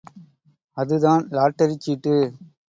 அதுதான் லாட்டரிச் சீட்டு!